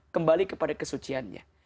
kembali kepada kesuciannya